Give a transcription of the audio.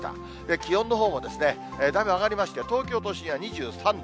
気温のほうもだいぶ上がりまして、東京都心は２３度。